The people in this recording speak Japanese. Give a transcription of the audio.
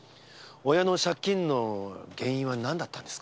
親の借金の原因はなんだったんですか？